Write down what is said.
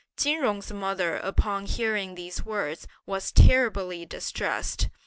Chin Jung's mother upon hearing these words was terribly distressed.